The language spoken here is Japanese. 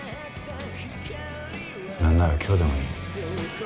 なんなら今日でもいい。